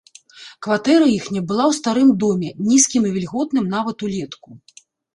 Кватэра іхняя была ў старым доме, нізкім і вільготным нават улетку.